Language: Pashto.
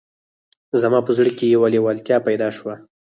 زما په زړه کې یوه لېوالتیا پیدا شوه